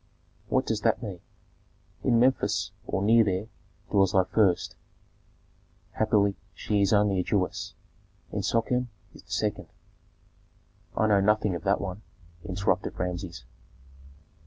"What does that mean?" "In Memphis, or near there, dwells thy first; happily she is only a Jewess! In Sochem is the second " "I know nothing of that one," interrupted Rameses.